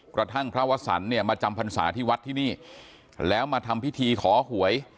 กระทั่งพระวสันเนี่ยมาจำพรรษาที่วัดที่นี่แล้วมาทำพิธีขอหวย